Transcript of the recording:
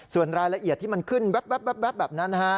ส่วนรายละเอียดที่มันขึ้นแบบนั้น